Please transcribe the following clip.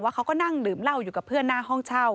ว่าเขาก็ลืมเหล้าอยู่กับเพื่อนหน้าห้องเช่า